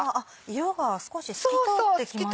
色が少し透き通ってきましたね。